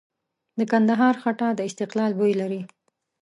د کندهار خټه د استقلال بوی لري.